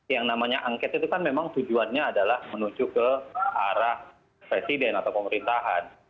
yang namanya angket itu kan memang tujuannya adalah menuju ke arah presiden atau pemerintahan